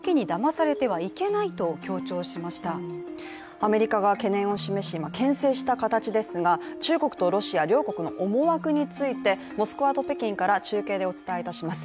アメリカが懸念を示しけん制した形ですが中国とロシア、両国の思惑についてモスクワと北京から中継でお伝えいたします。